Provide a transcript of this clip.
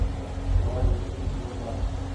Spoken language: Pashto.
یوازې لټون کول غواړي.